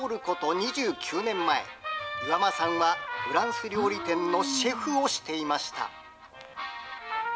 ２９年前、岩間さんは、フランス料理店のシェフをしていました。